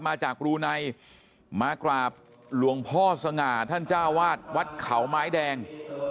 มาจากรูไนมากราบหลวงพ่อสง่าท่านเจ้าวาดวัดเขาไม้แดง